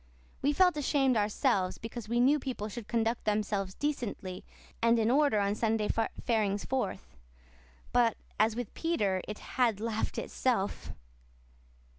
We felt ashamed ourselves, because we knew people should conduct themselves decently and in order on Sunday farings forth. But, as with Peter, it "had laughed itself."